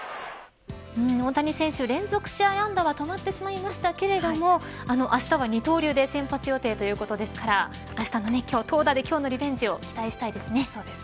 大谷選手、連続試合安打は止まってしまいましたけれどもあしたは二刀流で先発予定ということですからあしたも投打でリベンジを期待したいですね。